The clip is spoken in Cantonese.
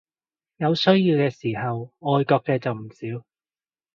有需要嘅時候愛國嘅就唔少